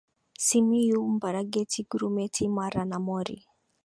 Simiyu Mbarageti Gurumeti Mara na Mori